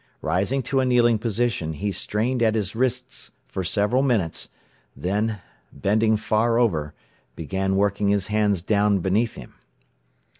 Rising to a kneeling position, he strained at his wrists for several minutes, then, bending far over, began working his hands down beneath him.